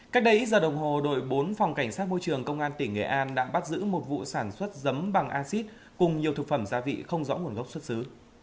cách đây giờ đồng hồ đội bốn phòng cảnh sát môi trường công an tỉnh nghệ an đã bắt giữ một vụ sản xuất dấm bằng acid cùng nhiều thực phẩm gia vị không rõ nguồn gốc xuất xứ